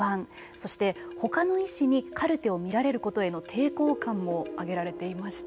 そしてほかの医師にカルテを見られることへの抵抗感も上げられていました。